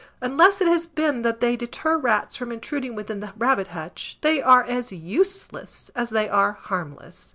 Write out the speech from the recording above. Unless it has been that they deter rats from intruding within the rabbit hutch, they are as useless as they are harmless.